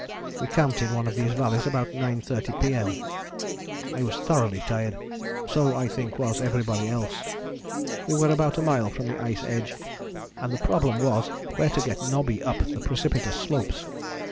We camped in one of these valleys about 9.30 P.M.; I was thoroughly tired, so I think was everybody else. We were about a mile from the ice edge; and the problem was where to get Nobby up the precipitous slopes.